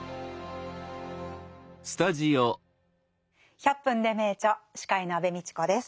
「１００分ｄｅ名著」司会の安部みちこです。